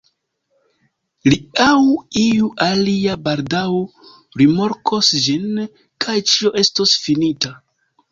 Li aŭ iu alia baldaŭ rimarkos ĝin, kaj ĉio estos finita.